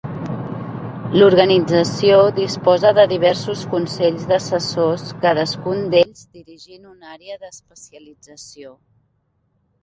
L'organització disposa de diversos consells d'assessors, cadascun d'ells dirigint una àrea d'especialització.